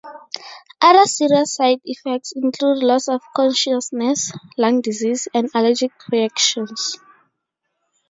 Other serious side effects include loss of consciousness, lung disease, and allergic reactions.